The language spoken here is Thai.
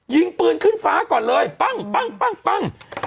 ยิงปืนขึ้นฟ้าก่อนเลยปั้ง